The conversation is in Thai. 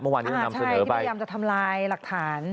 เมื่อวันนี้มันนำเสนอไปใช่ที่พยายามจะทำลายหลักฐาน